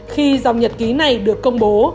khi dòng nhật ký này được công bố